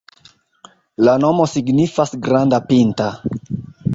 La nomo signifas granda-pinta.